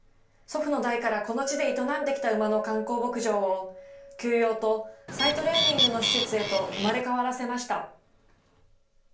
祖父の代からこの地で営んできた馬の観光牧場を、休養と再トレーニングの施設へと生まれ変わらせました。